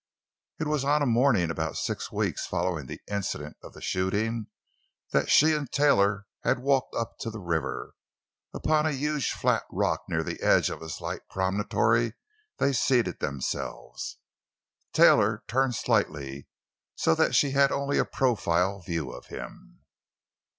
It was on a morning about six weeks following the incident of the shooting that she and Taylor had walked to the river. Upon a huge flat rock near the edge of a slight promontory they seated themselves, Taylor turned slightly, so that she had only a profile view of him.